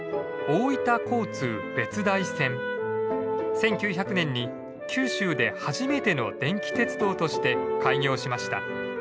１９００年に九州で初めての電気鉄道として開業しました。